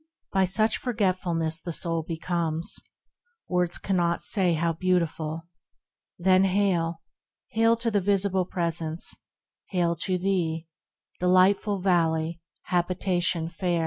By such forgetfulness the soul becomes, Words cannot say how beautiful : then hail, Hail to the visible Presence, hail to thee, Delightful Valley, habitation fair